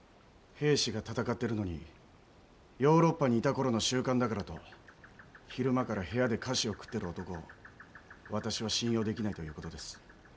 兵士が戦ってるのにヨーロッパにいた頃の習慣だからと昼間から部屋で菓子を食ってる男を私は信用できないという事です。